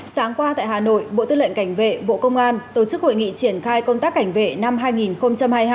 sáng qua tại hà nội bộ tư lệnh cảnh vệ bộ công an tổ chức hội nghị triển khai công tác cảnh vệ năm hai nghìn hai mươi hai